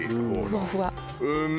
ふわふわ。